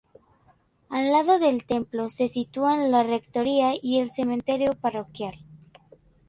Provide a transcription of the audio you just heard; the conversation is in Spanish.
Al lado del templo, se sitúan la rectoría y el cementerio parroquial.